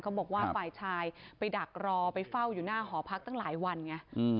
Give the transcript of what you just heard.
บอกว่าฝ่ายชายไปดักรอไปเฝ้าอยู่หน้าหอพักตั้งหลายวันไง